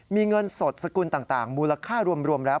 มีเงินสดสกุลต่างมูลค่ารวมแล้ว